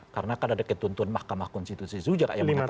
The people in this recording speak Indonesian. karena kan ada ketentuan mahkamah konstitusi zujar yang mengatakan